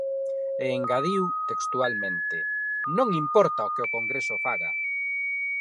E engadiu, textualmente: Non importa o que o Congreso faga.